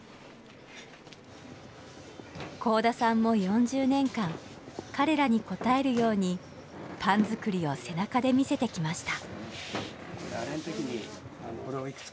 甲田さんも４０年間彼らに応えるようにパン作りを背中で見せてきました。